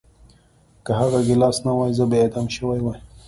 که هغه ګیلاس نه وای زه به اعدام شوی وای